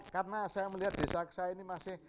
karena saya melihat desa saya ini masih